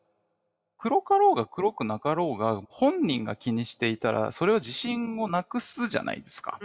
黒かろうが黒くなかろうが本人が気にしていたらそれは自信をなくすじゃないですか。